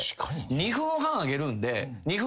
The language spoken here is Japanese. ２分半あげるんで。